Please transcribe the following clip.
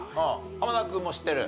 濱田君も知ってる？